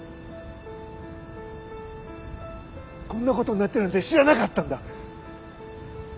こんなことになってるなんて知らなかったんだ。